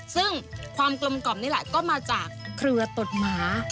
ซึ่งความกลมกล่อมนี่แหละก็มาจากเครือตดหมา